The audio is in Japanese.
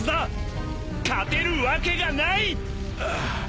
勝てるわけがない！！